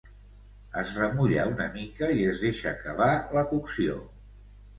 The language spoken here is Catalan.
es remulla una mica i es deixa acabar la cocció